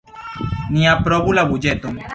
Ni aprobu la buĝeton.